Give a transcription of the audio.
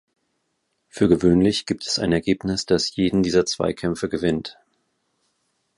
Für gewöhnlich gibt es ein Ergebnis, das jeden dieser Zweikämpfe gewinnt.